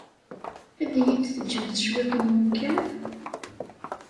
Ad iyi-d-teǧǧemt cwiṭ n umkan?